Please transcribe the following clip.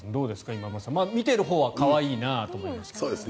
今村さん見てるほうは可愛いなと思いますけど。